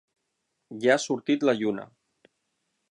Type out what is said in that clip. Ja ha sortit la lluna.